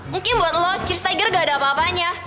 mungkin buat lo cheers tiger gak ada apa apanya